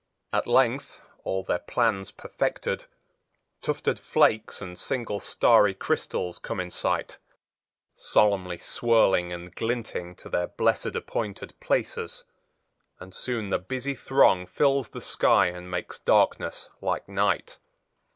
At length, all their plans perfected, tufted flakes and single starry crystals come in sight, solemnly swirling and glinting to their blessed appointed places; and soon the busy throng fills the sky and makes darkness like night.